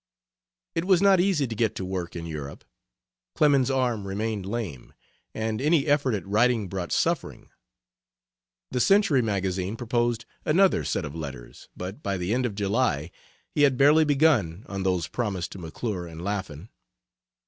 It was not easy to get to work in Europe. Clemens's arm remained lame, and any effort at writing brought suffering. The Century Magazine proposed another set of letters, but by the end of July he had barely begun on those promised to McClure and Laffan.